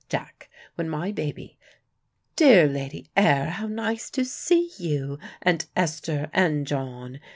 Jack, when my baby Dear Lady Ayr, how nice to see you, and Esther and John.